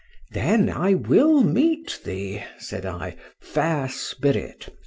Then I will meet thee, said I, fair spirit!